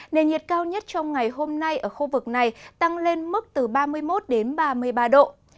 nền nhiệt cao nhất trong ngày hôm nay ở khu vực này tăng lên mức từ ba mươi một đến ba mươi ba độ